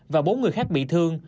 và bốn người khác bị thương